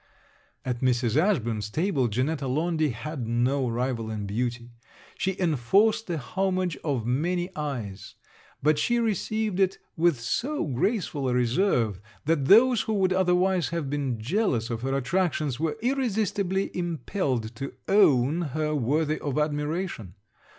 At Mrs. Ashburn's table Janetta Laundy had no rival in beauty. She enforced the homage of many eyes; but she received it with so graceful a reserve, that those who would otherwise have been jealous of her attractions were irresistibly impelled to own her worthy of admiration.